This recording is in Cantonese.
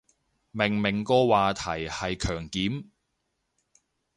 明明個話題係強檢